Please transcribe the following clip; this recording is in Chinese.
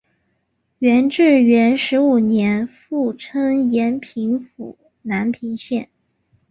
元至元十五年复称延平府南平县。